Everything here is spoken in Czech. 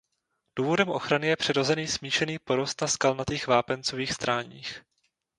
Důvodem ochrany je přirozený smíšený porost na skalnatých vápencových stráních.